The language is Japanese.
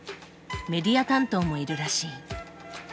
メディア担当もいるらしい。